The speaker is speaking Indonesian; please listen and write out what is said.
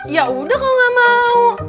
ya udah kalau gak mau